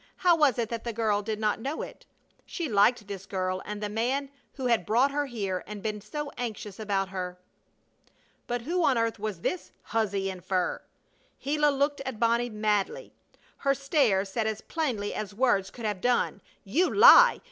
How was it that the girl did not know it? She liked this girl and the man who had brought her here and been so anxious about her. But who on earth was this huzzy in fur? Gila looked at Bonnie madly. Her stare said as plainly as words could have done: "You lie!